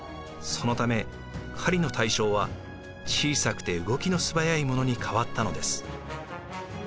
そのため狩りの対象は小さくて動きの素早いものに変わったのです。